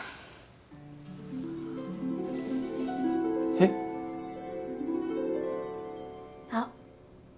えっ？あっ。